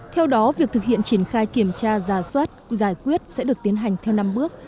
theo đó việc thực hiện triển khai kiểm tra giả soát giải quyết sẽ được tiến hành theo năm bước